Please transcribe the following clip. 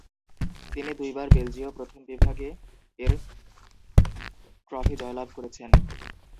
তিনি দুইবার বেলজীয় প্রথম বিভাগ এ-এর ট্রফি জয়লাভ করেছেন।